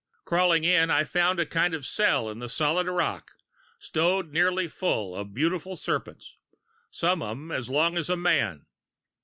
Crawling in, I found a kind of cell in the solid rock, stowed nearly full of beautiful serpents, some of them as long as a man.